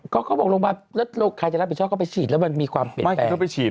ก็บอกก็บอกโรงพยาบาลและทุกคนรับผิดชอบเชียร์ก็ไปฉีดแล้วมันมีความเป็นเป็น